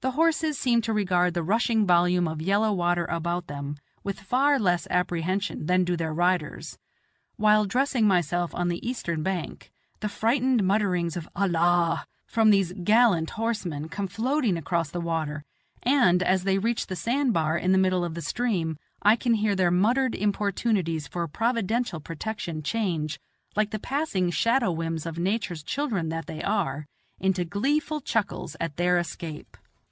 The horses seem to regard the rushing volume of yellow water about them with far less apprehension than do their riders. While dressing myself on the eastern bank, the frightened mutterings of "Allah" from these gallant horsemen come floating across the water, and, as they reach the sand bar in the middle of the stream, I can hear their muttered importunities for Providential protection change, like the passing shadow whims of Nature's children that they are, into gleeful chuckles at their escape.